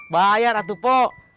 bayar atuh pop